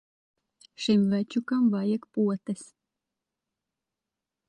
Šim večukam vajag potes.